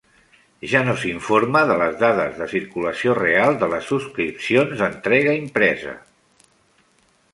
Ja no s'informa de les dades de circulació real de les subscripcions d'entrega impresa.